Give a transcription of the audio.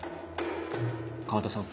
河田さん